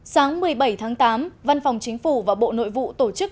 sáng một mươi bảy tháng tám văn phòng chính phủ và bộ nội vụ tổ chức hội truyền thống